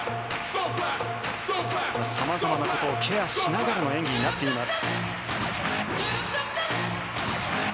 様々なことをケアしながらの演技になっています。